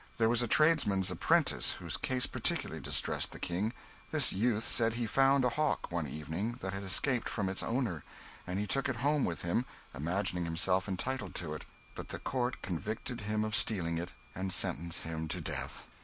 There was a tradesman's apprentice whose case particularly distressed the King; this youth said he found a hawk, one evening, that had escaped from its owner, and he took it home with him, imagining himself entitled to it; but the court convicted him of stealing it, and sentenced him to death.